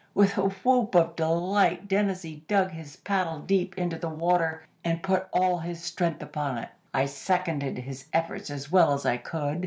"With a whoop of delight Dennazee dug his paddle deep into the water, and put all his strength upon it. I seconded his efforts as well as I could.